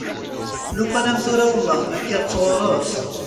Lukan am tura wellah ma kkiɣ-tt ɣur-s?